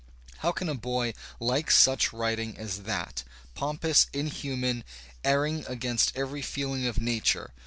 How can a boy like such writing as that, pompous, inhuman, erring against every feeling of nature?